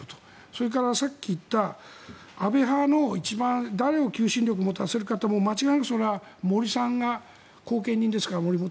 それからさっき言った安倍派の、一番誰を求心力を持たせるかってもう間違いなくそれは森元総理が後見人ですから。